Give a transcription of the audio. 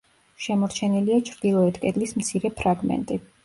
შემორჩენილია ჩრდილოეთ კედლის მცირე ფრაგმენტი.